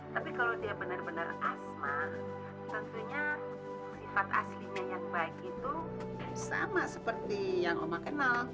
tapi kalau dia benar benar asma tentunya sifat aslinya yang baik itu sama seperti yang oma kenal